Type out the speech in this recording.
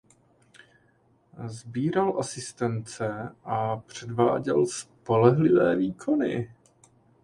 Sbíral asistence a předváděl spolehlivé výkony.